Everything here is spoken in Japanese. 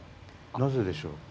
なぜでしょう？